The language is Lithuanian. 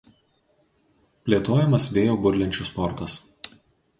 Plėtojamas vėjo burlenčių sportas.